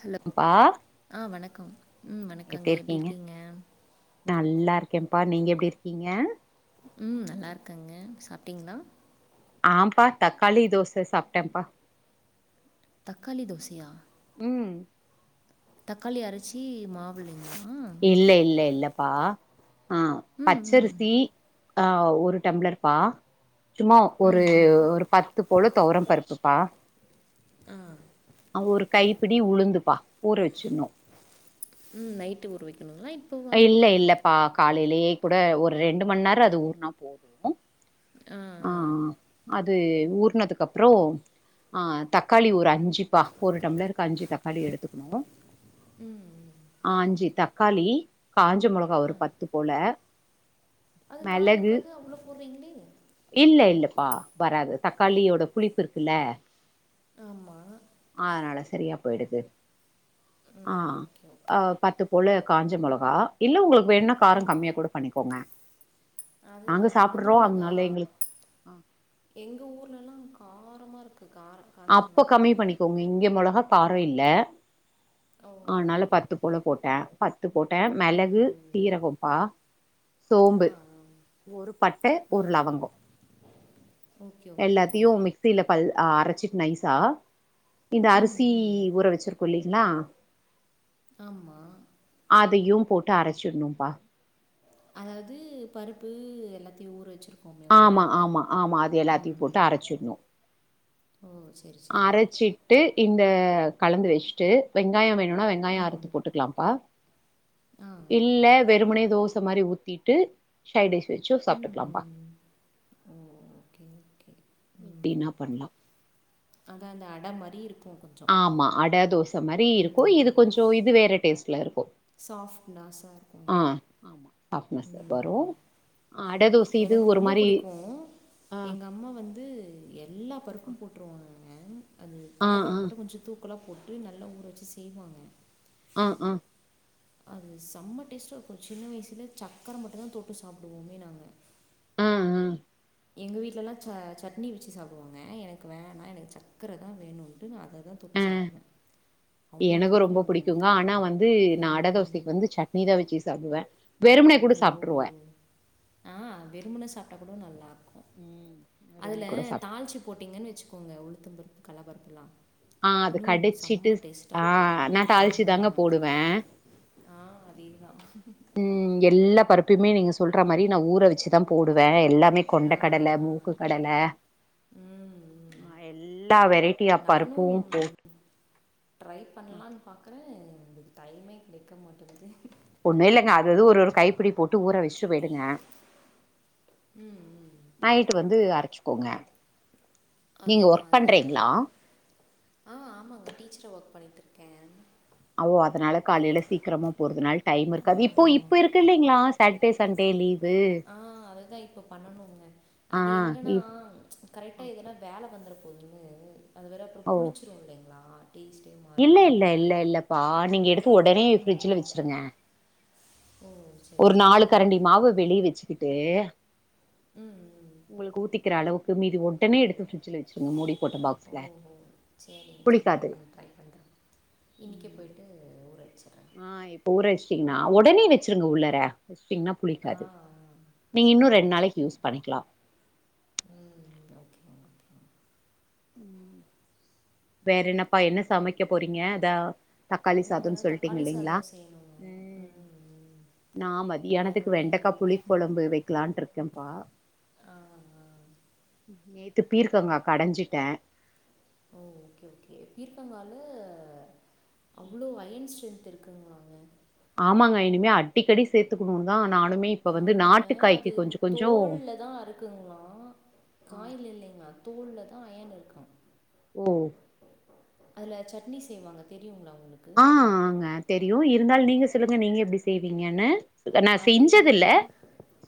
Hello அப்பா ஆ வணக்கம் வணக்கம் எப்டி இருக்கீங்க நல்லா இருக்கேன்ப்பா நீங்க எப்டி இருக்கீங்க ம் நல்லா இருக்கேங்க சாப்பிட்டீங்களா ஆம்பா தக்காளி தோசை சாப்பிட்டேன்ப்பா தக்காளி தோசயா ம் தக்காளி அரச்சி மா வுலைங்ளா ஆ இல்ல இல்ல இல்லப்பா ஆ பச்சரிசி ஆ ஒரு டம்ளர்பா சும்மா ஒரு ஒரு பத் து போல தொவரம் பருப்புப்பா ஆ ஆ ஒரு கைப்பிடி உளுந்துப்பா ஊற வச்சிர்னு ம் நைட்டு ஊறவைக்னுங்ளா இ இல்ல இல்லப்பா காலைலயே கூட ஒரு ரெண்டு மண் நேரோ அது ஊற்னா போது அ ஆ அ‌ ஆ அது ஊற்னதுக்கப்றோ ஆ தக்காளி ஒரு அஞ்சுப்பா ஒரு டம்ளருக்கு அஞ்சு தக்காளி எடுத்துக்னு ஆ அஞ்சு தக்காளி காஞ்ச மொளகா ஒரு பத்து போல அது காரோ மெளகு அடிக்காது அவ்ளோ போட்றீங்ளே இல்ல இல்லப்பா வராது தக்காளியோட புளிப்பு இருக்குல ஆமா அதனால சரியா போய்டுது ஆ ம் ஓகே அ ஓகே பத்து போல காஞ்ச மொளகா இல்ல உங்ளுக் வேண்னா காரோ ம் கம்மியா கூட பண்ணிக்கோங்க நாங்க அதுதான் காஞ்ச சாப்புட்றோ மொளகா அத்னால எங்ளுக் எங்க ஊர்லலா காரமாருக்கு கார காஞ்ச அப்போ மொளகா கம்மி பண்ணிக்கோங்க இங்க மொளகா காரோ இல்ல ஓ ஆனால ஓகே பத்து ஓகே போல போட்டே பத்து போட்டே ம் மெளகு ம் சீரகோ பா ஆ சோம்பு ஆ ஒரு பட்ட ஒரு லவங்கோ ஓகே ஓகே ஸில பல் ஆ அரச்சிட் நைஸா இந்த ம் அரிசி ம் ஊற வச்சிருக்கோ இல்லைங்ளா ஆமா அதயு போட்டு அரச்சிர்னுப்பா அதாவ்து பருப்பு எல்லாத்தியு ஊற வச்சிரு க்கோமே ஆமா ஒன்னாக ஆமா ஆமா அது எல்லாத்தையு ம் போட்டு ம் அரச்சிட்ணு ஓ சேரி சே அரச்சிட்டு இந்த கலந்து வச் ட்டு வெங்காயோ வேணுனா வெங்காயோ ம் அறுத்து போட்டுக்லாம்ப்பா ஆ ஆ இல்ல வெறுமனே தோச மாறி ஊத்திட்டு சைடிஸ் வெச்சு ம் சாப்ட்டுக்லாம்ப்பா ம் ம். ஓ ஓகே ஓகே எப்டினா பண்லா அதா அந்த அட மாரி இருக்கு கொஞ்சொ ஆமா அட தோச மாரி இருக்கு இது கொஞ்சோ இது வேற டேஸ்ட்லருக்கு ஸாஃப்ட்னாஸா இருக்கு இது ஆமா ஸாஃப்ட்னெஸ்ஸு வரு அட தோச இது எனக்கு ஒரு ரொம்ப மாரி புடிக்கு ஆ எங்கம்மா வந்து எல்லா பருப்பு போட்ருவாங்கங்க அது ஆ கல்ல ஆ பருப்பு மட்டு கொஞ்சோ தூ க்களா போட்டு நல்லா ஊற வச்சு செய்வாங்க ஆ ஆ அது செம்ம டேஸ்ட்டாருக்கு சின்ன வய்சுல சக்கர மட்டு தா தொட்டு சாப்டுவோமே நாங்க ஆ ஆ எங்க வீட்லலா ச சட்னி வச்சு சாப்டுவாங்க எனக்கு வேணா எனக்கு சக்கர தா வேணுன்ட்டு நா அத தா தொட்டு சாப்டுவே எனக்கு ரொம்ப புடிக்குங்க ஆனா வந்து நா அட ம் தோசைக்கு வந்து சட்னி தா வச்சு சாப்டுவே வெறுமனே கூட ஓ சாப்ட்டிருவே ஆ வெறுமனே சாப்டா கூட நல்லா ம் வெறுமனே அதுல கூட சாப் தாழ்ச்சு போட்டீங்கனு வச்சுக்கோங்க உளுத்த பருப்பு கல்லப்பருப்புல்லா ஆ அது இன்னு கடிச்சிட்டு செம டேஸ்ட்டா ஆ இருக்கு [inaudible] நா தாளிச்சு தாங்க போடுவே ஆ அதேதா ம் எல்லா பருப்பையுமே நீங்க சொல்ற மாரி நா ஊற வச்சுதா போடுவே எல்லாமே கொண்ட ஆ ஆ. கடல மூக்கு கடல ம் ம் நா எல்லா வெரைட்டியா பருப்பு நானும் போட் ட்ரை பண்ணலான்னு பாக்குற அதுக்கு டைமே கெடைக்க மாட்டுது ஒண்ணு இல்லங்க அதது ஒரு ஒரு கைப்புடி போட்டு ஊற வச்சுட்டு போய்டுங்க ம் ம் நைட்டு வந்து அரச்சக்கோங்க நீங்க அதுதான் ஒர்க் அதுதான் பண்றீங்களா பண்ணணும் ஆ ஆமாங்க டீச்சர ஒர்க் பண்ணிகிட்டுருக்கே ஓ அதனால காலையில சீக்கிரமா போறதுனால டைம் இருக்காது இப்போ இப்போ ஆமாம் இருக்கு இல்லைங்களா சாட்டர்டே சண்டே லீவ் ஆ அததா இப்ப பண்ணனுங்க ஆ அது எங்கன்னா இப் கரெக்டா எதனா வேல வந்துட போதுன்னு அது வேறு அப்றோ ஓ! புளிச்சிரு இல்லைங்களா டேஸ்ட்டே மா இல்ல இல்ல இல்ல இல்லப்பா நீங்க எடுத்து உடனே ஃபரிட்ஜ்ல ம் வச்சிருங்க ஓ சரி ஒரு நாலு சரிங்க கரண்டி மாவு வெளிய வச்சுக்கிட்டு ம் ம். உங்களுக்கு ஊத்திக்கிற அளவுக் கு மிதி ஒடனே எடுத்து ஃபரிட்ஜில வை ஓ ஓ செரிங்க செரிங்க புளிக்காது. அப்ப நா ட்ரை பண்ற இன்னைக்கே ம். போய்ட்டு ஊற வச்சற ஆ இப்ப ஊற வச்சிட்டீங்கன்னா உடனே வச்சிருங்க உள்ளார வச்டிங்கன்னா ஆ புளிக்காது ஆ. நீங்க இன்னு சரிங்க ரெண்டு நாளைக்கி சரிங்க யூஸ் பண்ணிக்கலா ம் ஓகே ம் வேற என்னப்பா என்ன சமைக்க போறீங்க தா தக்காளி இப்போ சாதோனு தான் சொல்லிட்டீங்க தக்காளி இல்லைங்களா சாதம் செய்யணும் ம் நா வேறு மத்தியானத்துக்கு வழி வெண்டக்கா இல்லைங்க புளி கொழம்பு வைகலான்டு இருக்கேன்ப்பா ஆ ஆ. நேத்து பீர்க்கங்கா கடஞ்சிட்டே ஓ ஓகே ஓகே பீர்க்கங்கால அவ்ளோ அயன் ஸ்ட்ரென்த் இருக் குங்ளாங்க ஆமாங்க இனிமே அடிக்கடி சேத்துக்கணும்னு தா நானுமே இப்ப வந்து ஆமாங்க நாட்டுக்காய்க்கு அது கொஞ்சோ கொஞ்சோ தோல்லதா அருக் குங்களா ஆ காய்லா இல்லைங்களா தோல்ல தா அயன் இருக்க ஓ அதுல சட்னி செய்வாங்க தெரியுங்களா உங்களுக்கு ஆ ஆங்க தெரியு இருந்தாலு நீங்க சொல்லுங்க நீங்க எப்டி செய்வீங்கன்னு நா அதே செஞ்சதுல தாங்க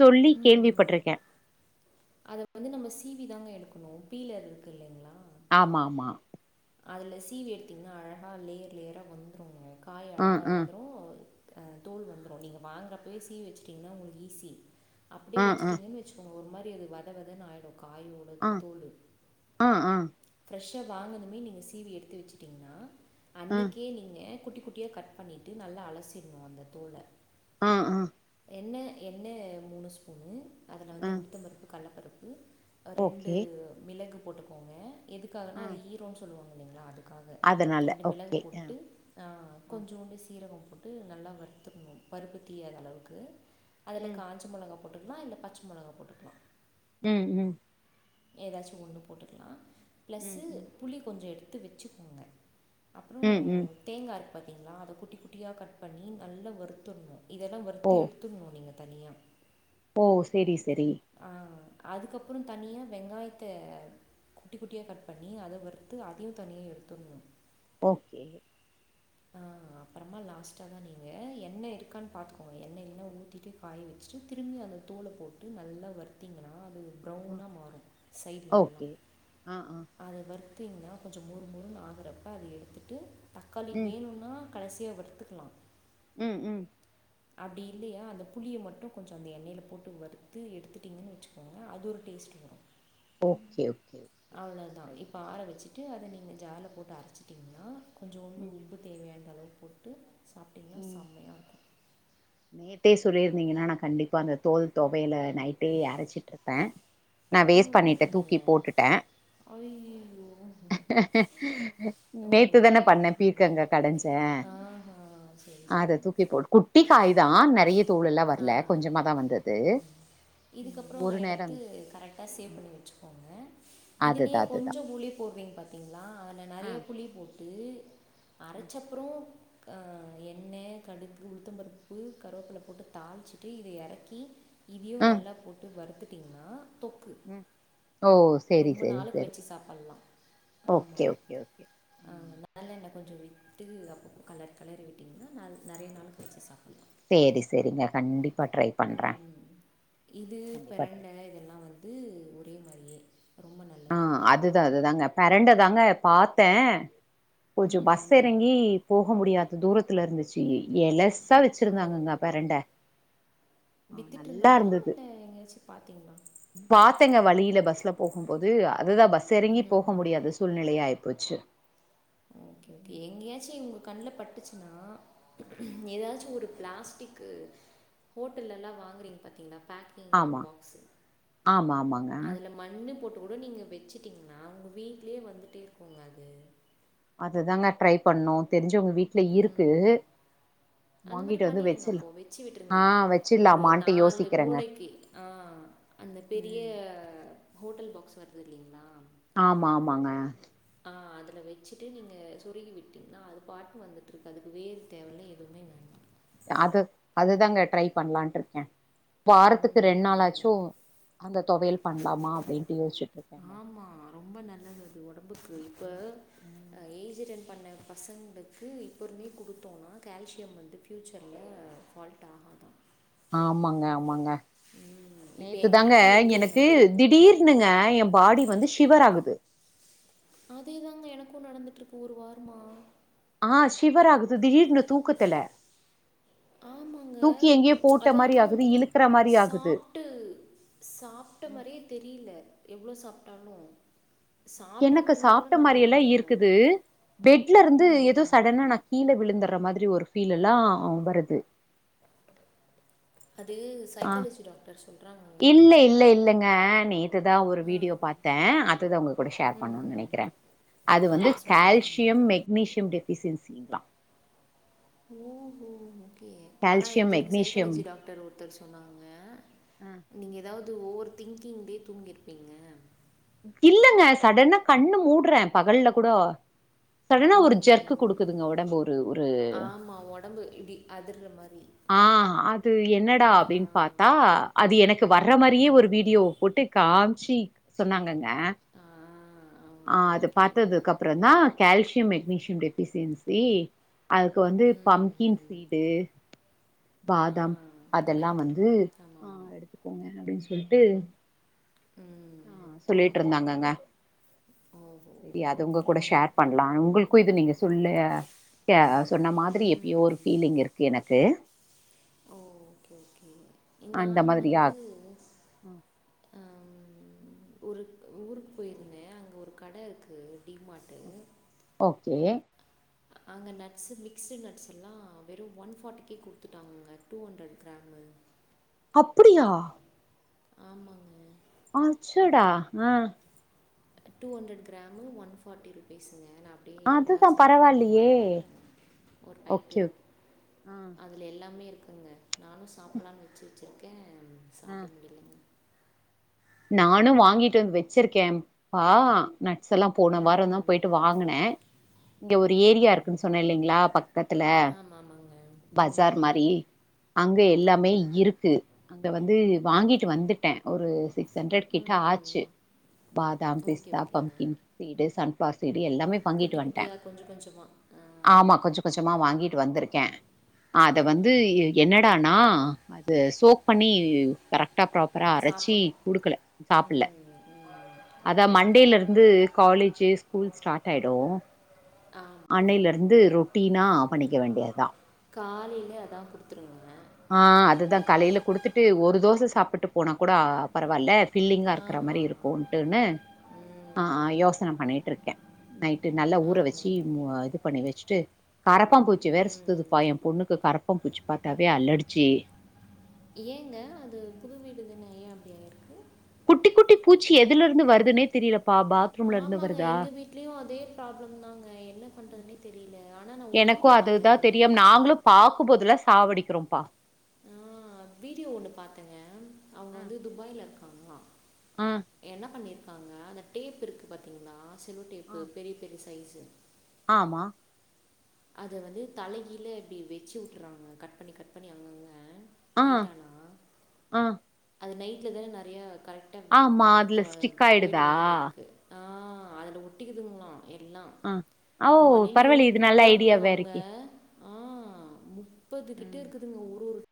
சொல்லி கேள்விப்பட்டிருக்க அத வந்து நம்ம சிவி தாங்க எடுக்கணு பீலர் இருக்கு இல்லைங்களா ஆமா ஆமா அதுல சீவி எடுத்தீங்கன்னா அழகா லேயர் லேயரா வந்துரும்ங்க காய் ஆ அழகா ஆ வந்துரும் ஆ தோல் வந்துரும் நீங்கள் வாங்குனப்பவே சிவி வச்சுட்டிங்கன்னா உங்களுக்கு ஈஸி அப்படியே ஆ ஆ வச்சுட்டிங்கன்னு வச்சுக்கோங்க ஒரு மாறி அது வதவதன்னு ஆயிடும் காயும் மேல் ஆ தோலு ஆ ஆ ஃபிரஷ்ஷா வாங்கணும் அப்பயே நீங்க சீவி எடுத்து வச்சட்டீங்கன்னா அன்னைக்கே நீங்க குட்டி குட்டியா கட் பண்ணிட்டு நல்லா அலசிடணும் அந்த தோல ஆ ஆ எண்ணெ எண்ணெ மூணு ஸ்பூனு அதுல ஆ வந்து உளுத்த பருப்பு கடலப்பருப்பு ரெண்டு ஓகே மிளகு போட்டுக்கோங்க ஆ எதுக்காகன்னா அது ஹீரோன்னு சொல்வாங்களா அது க்காக அதனால ரெண்டு மிளகு ஓகே ஆ போட்டு ஆ ஆ கொஞ்சோண்டு சீரகம் போட்டு நல்லா வறுத்துக்கணும் பருப்பு தீயாத அளவுக்கு அதுல ம் காஞ்ச மொளகா போட்டுக்கலா இல்ல பச்சை மொளகா போட்டுக்கலா ம் ம் ஏதாச்சும் ஒன்னு போட்டுக்கலாம ம் பிளஸ்ஸூ ம் புளி கொஞ்சம் எடுத்து வச்சுக்கோங்க அப்புறம் ம் ம் தேங்காய் இருக்கு பாத்திங்களா அத குட்டி குட்டியா கட் பண்ணி நல்லா வறுத்தர்ணும் இதெல்லாம் வறுத்து ஓ ஓ எடுத்து த்துக்கணும் நீங்க தனியா ஓ சரி சரி ஆ அதுக்கப்புறம் தனியா வெங்காயத்த குட்டி குட்டியா கட் பண்ணி அதை வரு த்து அதயும் தனியா எடுத்தற்ணும் ஓ ஆ அப்புறமா லாஸ்ட்டா தா நீங்க எண்ணெ இருக்கான்னு பாத்துக்கோங்க எண்ணெ இல்லனா ஊத்திட்டு காய வச்சு வச்சு திரும்பி அந்த தூள போட்டு நல்லா வருத்திங்கன்னா அது ப்ரௌனா மாறும் சைடலல்லாம் ஓகே ஆ ஆ அத வருத்திங்கன்னா கொஞ்ச மொறு மொறுனு ஆகிறப்ப அதை எடுத்துட்டு தக்காளி ம் வேணுனா கடைசியா வறுத்துக்கலாம் ம் ம் [inaudible] அப்டி இல்லையா அந்த புளிய மட்டும் கொஞ்சம் அந்த எண்ணெல போட்டு வறுத்து எடுத்துட்டிங்கன்னு வச்சுக்கோங்க அது ஒரு டேஸ்ட்ட் வரும் ஓகே ஓகே ஓகே [inaudible] அவ்வளதா ரைட் இப்ப ஆற வச்சுட்டு அத நீங்க ஜார்ல போட்டு அரைச்சிட்டீங்கன்னா கொஞ்சோண்டு ம் உப்பு தேவையான அளவு போட்டு சாப்பிட்டிங்கன்னா ம் செம்மையா இருக்கும் நேத்தே சொல்லியிருந்தீங்கன்னா நா கண்டிப்பா அந்த தோல் தொவைல நைட்டே அரைச்சிட்டுருப்பே நான் வேஸ்ட் ஆ என்ன பண்ணிடேன் பண்ணீங்க தூக்கி போட்டுட்டேன் ஐயையோ ஓ நேத்து தான ஓகே பண்னேன் ஓகே பீக்கங்கா கடைஞ்சேன் ஆஹா சரி அத சரி தூக்கி போடு குட்டி காய் தான் நிறைய தோல்லாம் வரல ஆ கொஞ்சமாதா வந்தது ஆமாம். இதுக்கப்புறம் ஒரு எடுத்து நேரம் கரெக்டா சேவ் பண்ணி வச்சுக்கோங்க இதுலேயே அதுதா அதுதா கொஞ்சம் புளி போடுவிங்க பாத் பாத்தீங்களா அதுல ஆ நிறைய புளி போட்டு அரைச்சப்புறம் எண்ணெய் கடுகு உளுத்தம்பருப்பு கருவேப்பிலை போட்டு தாளிச்சிட்டு இதை இறக்கி இதையும் ஆ நல்லா போட்டு வறுத்துட்டிங்கன்னா தொக்கு ம் ஓ செரி ரொம்ப செரி நாளுக்கு செரி வச்சு சாப்மலாம் ஆமா ஓகே ஓகே ஓகே ஆ ம் நல்லண்ண கொஞ்ச விட்டு அப்போ கெலரி கெலரி விட்டீங்கன்னா ந நிறைய நாளைக்கு வச்சு சாப்பலாம் சேரி சேரிங்க கண்டிப்பா ட்ரை பண்றே ம் இது கண்டிப்பா ட்ரை பெரண்ட இதெல்லாம் வந்து த்து ஒரே மாரியே ஆ அதுதா அதுதாங்க பெரண்ட தாங்க பாத்தே கொஞ்சோ ம் பஸ் ம். எறங்கி போக முடியாத தூரத்துல இருந்துச்சு எலஸ் சா ஓ வச்சுருந்தாங்கங்க பெரண்ட ஆ நல்லா வித்திட்ருந்தாங்களா இல்ல எங்கயாச்சு பாத்திங்ளா பாத்தெங்க வழியில பஸ்ல போகும் போது அதுதா பஸ் எறங்கி போக முடியாது சூழ்நிலையா ஆயிப்போச்சு ஓகே ஓகே எங்கேயாச்சு இவுங்க கண்ணுல பட்டுச்சுன்னா எதாச்சும் ஒரு பிளாஸ்டிக்கு ஹோட்டல்லெல்லா வாங்குறீங்க பாத்தீங்களா பேக் கிங் ஆமா பாக்ஸு ஆமா ஆமாங் அதுல மண்ணு போட்டு கூட நீங்க வெச்சுட்டீங்கன்னா உங்க வீட்லயே வந்துட்டே இருக்குங்க அது அதுதாங்க ட்ரை பண்ணோ தெரிஞ்சவுங்க வீட்டுல இருக்கு ம் அந்த மாரி வாங்கிட்டு வந்து பண்ணிடுங்க வச்சிர்லா அப்போ வெச்சு ஆ விட்டுருங்க ஒரு வச்சிர்லாமான்ட்டு நாலு யோசிக்கிறேங்க மூலைக்கி ஆ அந்த பெரிய ம் ஹோட்டல் பாக்ஸ் வருது இல்லைங்களா ஆமா ஆமாங்க ஆ அதுல வெச்சுட்டு நீங்க சொருகி விட்டீங்கன்னா அது பாட்னு வந்துட்ருக்கு அதுக்கு வேரு தேவல்ல எதுவுமே வேண்டா அது அதுதாங்க ட்ரை பண்ணலாட்ருக்கே வாரத்துக்கு ம் ரெண் பண்ணுங்க நாளாச்சும் அந்த தொவையல் பண்லாம்மா அப்டின்ட்டு யோஸ்ச்சுட்ருக்கே ஆமாம் ரொம்ப நல்லது அது ஒடம்புக்கு இப்ப அ ஏஜ் அட்டன் பண்ண பசங்களுக்கு இப்பருந்தே குடுத்தோனா கால்சியம் வந்து ஃப்யூச்சர்ல ஃபால்ட் ஆகாதா ஆமாங்க ஆமாங்க ம் இப்போ நேத்து எங்கள் தாங்க வீட்லேயே எனக்கு இருக்குங்க திடீர் ன்னுங்க ஏ ஃபாடி வந்து ஷிவர் ஆகுது அதே தாங்க எனக்கு நடந்துட்டுருக்கு ஒரு வாரமா ஆ ஷிவர் ஆகுது திடீர்னு தூக்கத்துல ஆமாங்க. தூக்கி எங்கெயோ போட்ட மாரி ஆகுது இழுக்குற மாரி ஆகுது ட்டு சாப்ட்ட மாரியே தெரியில எவ்ளோ சாப்ட்டாலு எனக்கு சாப்ட்ட மாரியெல்லா இருந்துர்றேன். இருக்குது பெட்ல இருந்து ம், எதோ ம். சடனா நா கீழ விழுந்துர்ற மாதிரி ஒரு ஃபீல்லெல்லா வருது அது ஆ சைக்காலஜி டாக்டர் சொல்றாங்கங்க. இல்ல இல்ல இல்லங்க நேத் த்து தா ஒரு வீடியோ பாத்தே அதுதா உங்க கூட ஷேர் பண்ணனன்னு நெனைக்கிறே அது ஆ வந்து சொல்லுங்க, சொல்லுங்க. கால்சியம் மெக்னீசியம் டெபிஷியன்சீங்ளா ஓ ஹோ ஓகே ஆனா கால்சியம் எங்குளுக்கு மெக்னீசியம் சைக்காலஜி டாக்டர் ஒரு ஒருத்தர் சொன்னாங்க நீங்க எதாவது ஓவர் திங்கிங்லே தூங்கிருப்பீங்க இல்லங்க சடனா கண்ணு மூடுறே பகல்ல கூட சடனா ம், ஒரு ஜர்க்கு ம். குடுக்குதுங்க உடம்பு ஒரு ஒரு ஆமா ஒடம்பு இப்டி அதுர்ற மாரி ஆ அது என்னடா ஆ அப்டின் பாத் தா அது எனக்கு வர்ற மாரியே ஒரு ம் வீடியோவ போட்டு காம்ச்சி சொன்னாங்கங்க ஆ ஆ ஓகே அது ஓகே பாத்ததுக்கு அப்றோ தா கால்சியம் மெக்னீசியம் டெபிஷியன்சி அது இப்ப வந்து ம் பம்கின் ம் சீடு ஆ பாதாம் அதெல்லா கரெக்ட் வந்து அ ஆமாம் ஆமாம் எடுத் போங்க அப்டின்னு சொல்லிட்டு ம் அ சொல்லிட்டு இருந்தாங்கங்க ஓஹோ [unintelligible] ஓகே அதுங்க கூட ஓகேங்க ஷேர் பண்ண [unintelligible] உங்களுக்கும் இது நீங்க சொல்ல சொன்ன மாதிரி எப்பயோ ம் ஒரு ஃபீலிங் இருக்கு எனக்கு ஓ ஓகே ஓகே அந்த நானு மாதிரியா வந்து ம். அ ஒரு ஊருக்கு போயிருந்தே அங்க ஒரு கட இருக்கு டி மார்ட் ஓகே அங்கே நட்ஸு மிக்ஸ்டு நட்ஸ் எல்லாம் வெறும் ஒன் ஃபாட்டிக்கே குடுத்துட்டாங்கங்க டூ ஹண்ட்ரட் கிராமு அப்டியா ஆமாங்க அச்சடா அ two hundred gram one fifty ருபீஸுங்க நான் அப்டியே இதா அதுதா சாக்குன்ட்டு நா பரவாயில்லையே வாங்கிட்டு வந்துட்டே ஒரு ஓகே பாக்கெட்டு ஓகே ஆ அதுல எல்லாமே இருக்குங்க நானு சாப்டலான்னு வச்சு வச்சுருக்கே ஆ சாப்ட முடிலங்க நானு வாங்கிட்டு வந்து வச்சிருக்கே அ நட்ஸ் எல்லா போன ம் வார தா ம் போயிட்டு வாங்குன இங்க ஒரு ஆ ஆ ஏரியா இருக்குனு சொன்ன இல்லிங்களா பக்கத்துல ஆமாம் ஆமாங்க ம் பஜார் ம் மாரி அங்க எல்லாமே ஆமாம் ஆமாம் இருக்கு அங்க வந்து வாங்கிட்டு ஓகே வந்துட்டே ஒரு சிக்ஸ் ஹன்ட்ரட் கிட்ட ம் ம் ஆச்சு பாதாம் ஓகே பிஸ்தா ஓகேங்க பம்கின் சீடு சன்ஃப்ளார் சீடு எல்லாமே வாங்கிட்டு குட்டி வந்ட்டே குட்டியா கொஞ்சோ கொஞ்சோ மா ஆமா கொஞ்சோ கொஞ்சமா வாங்கிட்டு வந்திருக்க அத வந்து ஆஹா என்னடானா அது சோக் பண்ணி கரெக்டா ப்ராப் அப்பற அரச்சி சாப்பிட்ணும் குடுக்கல சாப்டல [inaudible] அதா ஓகே மண்டேல இருந்து காலேஜ் ஸ்கூல் ஸ்டார்ட் ஆயிடு ஆமாம் அன்னைல இருந்து ரொட்டினா பண்ணிக்க வேண்டியது தா காலைல அதா குடுத்துருங்கங்க அ அதுதா காலைல குடுத்துட்டு ஒரு தோசை சாப்ட்டு போனா கூட பரவாயில்ல ஃபீலிங்கா இருக்கிற மாறி ஆமாம் இருக்குன்ட்டுன்னு ம் யோசன பண்ணிட்டுருக்கே நைட்டு நல்லா ஊற வச்சு ஆமாங்க மு இது பண்ணி வச்சுட்டு கரப்பான்பூ பூச்சி வேற ம் ம். சுத்துதுப்பா என் பொண்ணுக்கு கரப்பாம்பூச்சி பாத்தாவே அலர்ஜி ஏங்க அது புது வீடு தான ஏன் அப்டி ஆயிருக்கு குட்டி குட்டி பூச்சி எதுல இருந்து வருதுன்னே தெரியல பா பாத் ஆமாங்க எங்க வீட்லயும் அதே ப்ராப்ளம்ந்தாங்க என்ன பண்றதுனே தெரியல ஆனா நான் ஒரு வீடியோ பாத்தேங்க பாக்கும் போதுலா சாவடிக்கிறோ பா வீடியோ ஒன்னு பாத்தேங்க அவுங்க வந்து துபாய்ல இருக்காங்களா அ என்ன பண்ணிருக்காங்க அந்த டேப் இருக்கு பாத் என்னா சில்லோ டேப்பு ம் பெரிய பெரிய சைசு ஆமா அத வந்து தலைகீழ இப்டி வச்சு விட்டுறாங்க கட் பண்ணி கட் பண்ணி அங்கங்க ஆ நைட் ஆனா ஆ அது நைட்ல தான நெறைய கர ட ஆமா அதுல அ ஸ்டிக் போய்ட்டு ஆயிடுதா வந்துன்னு இருக்கு அ அதுல ஒட்டிக்குதுங்களா எல்லா ஆ ஓ காலைல பரவால்லையே எழுந்து இது நல்ல பாக்குறாங்கங்க ஐடியாவா அவுங்க இருக்கே ஆ முப்பது கிட்ட ம் இருக்குதுங்க ஒரு ஒரு